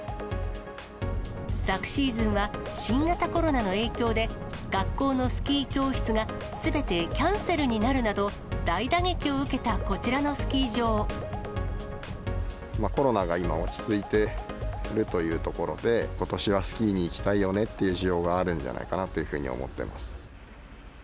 昨シーズンは新型コロナの影響で、学校のスキー教室がすべてキャンセルになるなど、コロナが今、落ち着いているというところで、ことしはスキーに行きたいよねっていう需要があるんじゃないかなというふうに思ってます。